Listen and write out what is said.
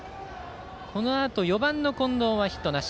このあと４番の近藤はヒットなし。